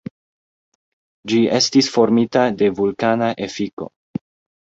Ĝi estis formita de vulkana efiko.